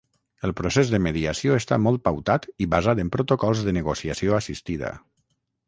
El procés de mediació està molt pautat i basat en protocols de negociació assistida.